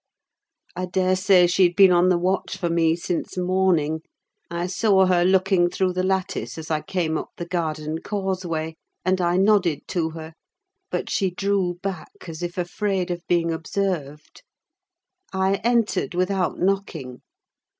I daresay she had been on the watch for me since morning: I saw her looking through the lattice as I came up the garden causeway, and I nodded to her; but she drew back, as if afraid of being observed. I entered without knocking.